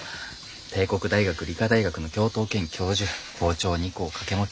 帝国大学理科大学の教頭兼教授校長を２校掛け持ち政府の仕事。